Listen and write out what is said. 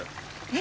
え！？